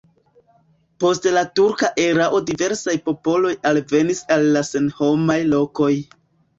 Post la turka erao diversaj popoloj alvenis al la senhomaj lokoj.